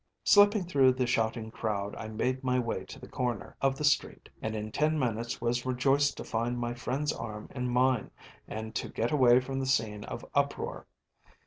Slipping through the shouting crowd I made my way to the corner of the street, and in ten minutes was rejoiced to find my friend’s arm in mine, and to get away from the scene of uproar.